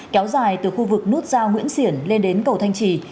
kéo dài từ khu vực nút giao nguyễn xiển lên đến cầu thanh trì